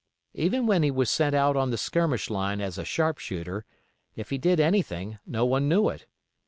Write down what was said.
Even when he was sent out on the skirmish line as a sharp shooter, if he did anything no one knew it.